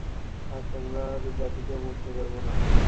আর তোমার জাতিকেও মুক্ত করব না।